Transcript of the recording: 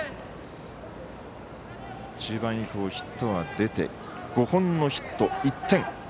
中盤以降、ヒットが出て５本のヒット、１点。